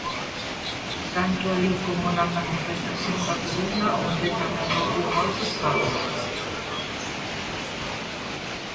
Tanto alí como na manifestación da Coruña, onde tamén houbo moitos paus.